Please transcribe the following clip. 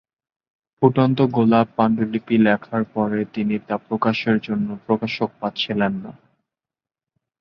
ফুটন্ত গোলাপ পাণ্ডুলিপি লেখার পরে তিনি তা প্রকাশের জন্য প্রকাশক পাচ্ছিলেন না।